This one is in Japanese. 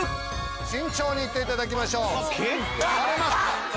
慎重に行っていただきましょう。